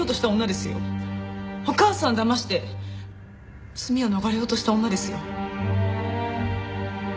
お母さんだまして罪を逃れようとした女ですよ？